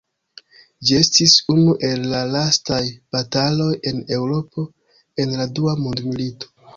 Ĝi estis unu el la lastaj bataloj en Eŭropo en la Dua Mondmilito.